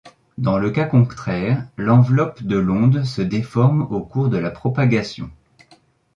Dans le cas contraire, l'enveloppe de l'onde se déforme au cours de la propagation.